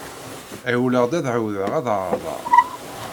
Ɛewwleɣ-d ad ɛawdeɣ ad ɛerḍeɣ.